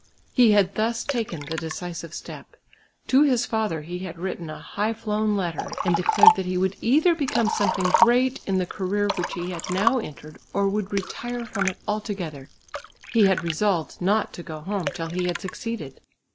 He had thus taken the decisive step. To his father he had written a high flown letter, and declared that he would either become something great in the career which he had now entered or would retire from it altogether; he had resolved not to go home till he had succeeded.